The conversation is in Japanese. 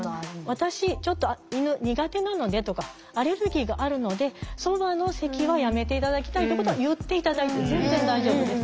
私ちょっと犬苦手なのでとかアレルギーがあるのでそばの席はやめて頂きたいってことは言って頂いて全然大丈夫です。